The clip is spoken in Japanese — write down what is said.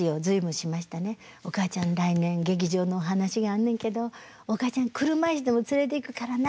「おかあちゃん来年劇場の話があんねんけどおかあちゃん車いすでも連れていくからな」